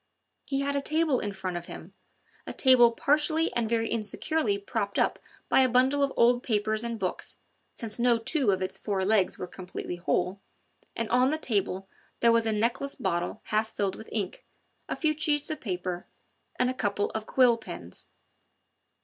He had a table in front of him a table partially and very insecurely propped up by a bundle of old papers and books, since no two of its four legs were completely whole and on the table there was a neckless bottle half filled with ink, a few sheets of paper and a couple of quill pens.